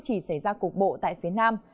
thì xảy ra cục bộ tại phía nam